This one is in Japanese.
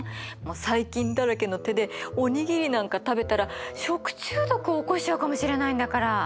細菌だらけの手でお握りなんか食べたら食中毒を起こしちゃうかもしれないんだから。